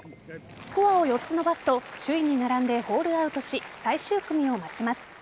スコアを４つ伸ばすと首位に並んでホールアウトし最終組を待ちます。